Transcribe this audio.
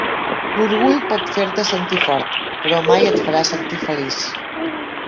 L'orgull pot fer-te sentir fort, però mai et farà sentir feliç.